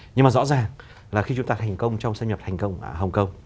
nhưng mà rõ ràng là khi chúng ta thành công trong xâm nhập thành công ở hồng kông